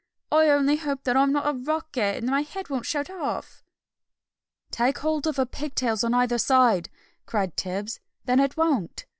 I only hope I'm not a rocket, and that my head won't shoot off!" "Take hold of her pig tails on either side," cried Tibbs, "then it won't."